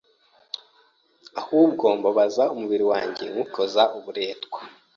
Ahubwo mbabaza umubiri wanjye nywukoza uburetwa,